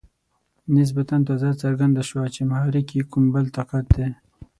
نسبتاً تازه څرګنده شوه چې محرک یې کوم بل طاقت دی.